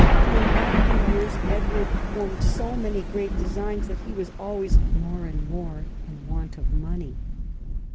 In after years Edward formed so many great designs that he was always more and more in want of money.